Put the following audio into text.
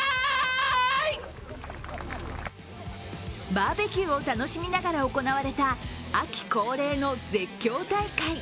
バーベキューを楽しみながら行われた秋恒例の絶叫大会。